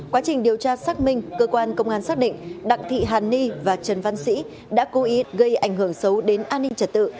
quá trình điều tra xác minh cơ quan công an xác định đặng thị hàn ni và trần văn sĩ đã cố ý gây ảnh hưởng xấu đến an ninh trật tự